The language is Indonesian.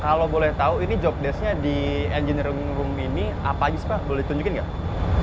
kalau boleh tahu ini job desk nya di engine room ini apa aja pak boleh ditunjukkan nggak